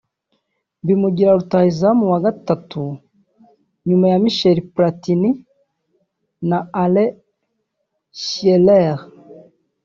bimugira rutahizamu wa gatatu nyuma ya Michel Platini na Alan Shearer